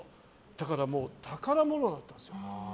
だから宝物だったんですよ。